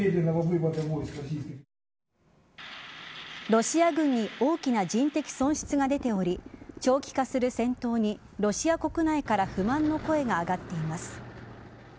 ロシア軍に大きな人的損失が出ており長期化する戦闘にロシア国内から不満の声が上がっています。